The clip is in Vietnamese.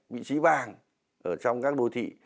vị trí vàng ở trong các đô thị